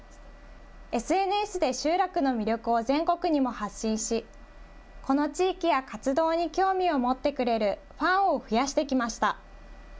ＳＮＳで集落の魅力を全国にも発信し、この地域や活動に興味を持ってくれるファンを増やしてきました。